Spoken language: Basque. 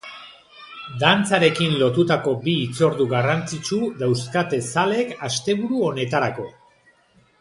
Dantzarekin lotutako bi hitzordu garrantzitsu dauzkate zaleek asteburu honetarako.